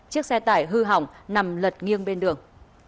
chiếc xe tải hư hỏng nằm lật nghiêng bên đường